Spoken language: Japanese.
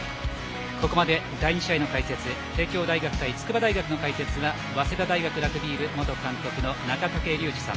ここまで第２試合の解説帝京大学対筑波大学の解説は早稲田大学ラグビー部元監督の中竹竜二さん。